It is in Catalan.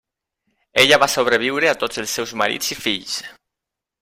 Ella va sobreviure a tots els seus marits i fills.